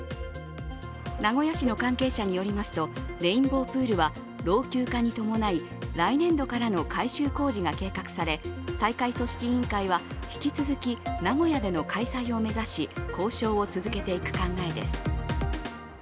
名古屋市の関係者によりますと、レインボープールは来年度からの改修工事が計画され、大会組織委員会は引き続き名古屋での開催を目指し、交渉を続けていく考えです。